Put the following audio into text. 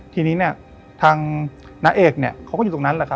ทีนี้ทางน้าเอกเขาก็อยู่ตรงนั้นแหละค่ะ